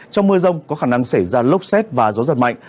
trong mưa rông có khả năng xảy ra lốc xét và gió giật mạnh